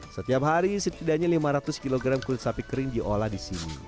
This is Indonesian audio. setiap hari setidaknya lima ratus kg kulit sapi kering diolah di sini